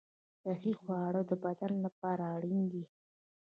صحي خواړه د بدن لپاره اړین دي.